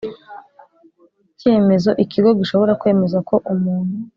icyemezo Ikigo gishobora kwemeza ko umuntu